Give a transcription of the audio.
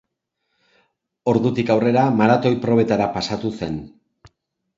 Ordutik aurrera, maratoi-probetara pasatu zen.